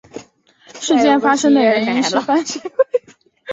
事件发生的原因是澳大利亚悉尼市的西部地区的发展规划。